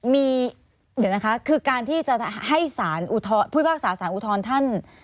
เพราะคุณไม่ว่าการสามารถให้สารอุทธอนท่าน